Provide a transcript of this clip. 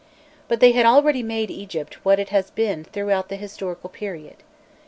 But they had already made Egypt what it has been throughout the historical period.